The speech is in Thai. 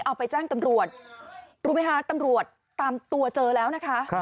เอาไปแจ้งตำรวจรู้ไหมคะตำรวจตามตัวเจอแล้วนะคะ